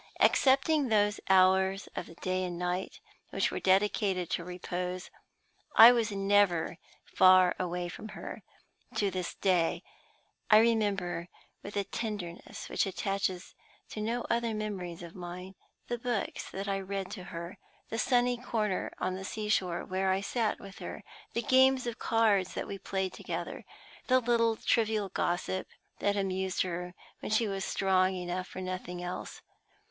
Excepting those hours of the day and night which were dedicated to repose, I was never away from her. To this day I remember, with a tenderness which attaches to no other memories of mine, the books that I read to her, the sunny corner on the seashore where I sat with her, the games of cards that we played together, the little trivial gossip that amused her when she was strong enough for nothing else.